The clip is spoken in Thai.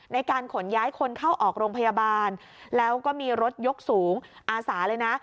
ในการขนย้ายคนเข้าออกโรงพยาบาลแล้วก็มีรถยกสูงอาสาเลยนะ